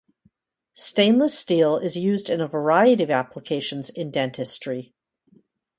Stainless steel is used in a variety of applications in dentistry.